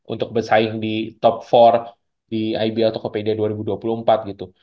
untuk bersaing di top empat di ibl tokopedia dua ribu dua puluh empat gitu